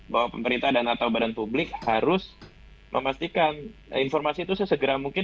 bahwa pemerintah dan atau badan publik harus memastikan informasi itu sesegera mungkin